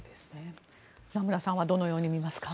名村さんはどのように見ますか。